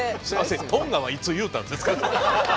トンガはいつ言うたんですか？